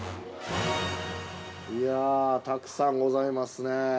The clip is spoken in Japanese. ◆いや、たくさんございますね。